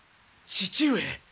父上！